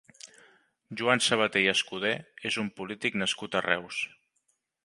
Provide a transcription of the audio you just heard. Joan Sabater i Escudé és un polític nascut a Reus.